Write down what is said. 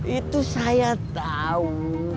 itu saya tahu